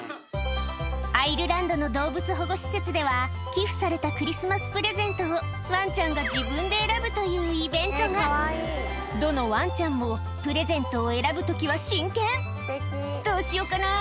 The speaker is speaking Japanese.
アイルランドの動物保護施設では寄付されたクリスマスプレゼントをワンちゃんが自分で選ぶというイベントがどのワンちゃんもプレゼントを選ぶ時は真剣「どうしようかな？